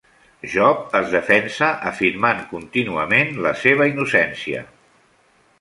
Job es defensa afirmant contínuament la seva innocència.